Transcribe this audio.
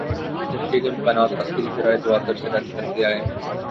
جھٹکے کے امکانات عسکری ذرائع تواتر سے رد کرتے آئے ہیں۔